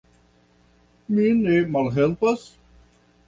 Mi ne malhelpas?